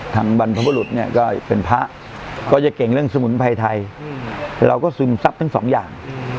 บรรพบุรุษเนี่ยก็เป็นพระก็จะเก่งเรื่องสมุนไพรไทยเราก็ซึมซับทั้งสองอย่าง